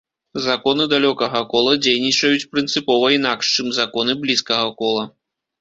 Законы далёкага кола дзейнічаюць прынцыпова інакш, чым законы блізкага кола.